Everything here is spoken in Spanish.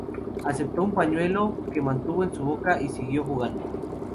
Aceptó un pañuelo, que mantuvo en su boca, y siguió jugando.